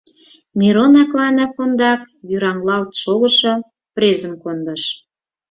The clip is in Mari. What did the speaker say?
Мирон Акланов ондак вӱраҥлалт шогышо презым кондыш.